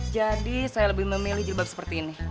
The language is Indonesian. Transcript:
jadi saya lebih memilih jilbab seperti ini